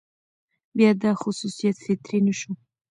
بيا دا خصوصيت فطري نه شو،